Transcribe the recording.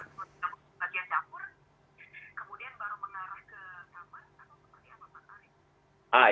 kemudian baru mengarah ke kamar atau seperti apa pak arief